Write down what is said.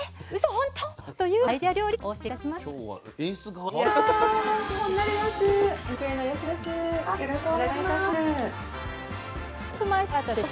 本当？」というアイデア料理お教えいたします。